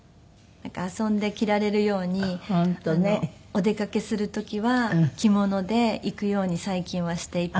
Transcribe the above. お出かけする時は着物で行くように最近はしていて。